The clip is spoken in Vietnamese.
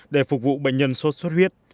để phục vụ bệnh nhân sốt xuất huyết